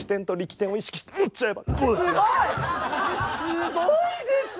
すごいです！